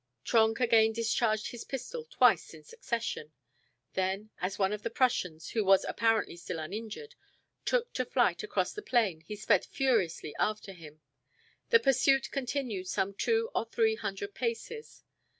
Trenck again discharged his pistol twice in succession. Then, as one of the Prussians, who was apparently still uninjured, took to flight across the plain he sped furiously after him. The pursuit continued some two or three hundred paces.